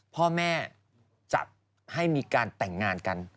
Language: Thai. พ่อแม่จัดให้มีการแต่งงานกัน